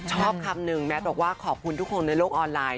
ชอบคำหนึ่งแมทบอกว่าขอบคุณทุกคนในโลกออนไลน์